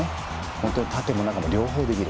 本当に縦も中も両方できる。